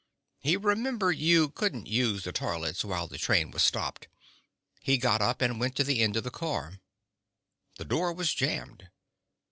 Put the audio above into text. He remembered you couldn't use the toilets while the train was stopped. He got up and went to the end of the car. The door was jammed.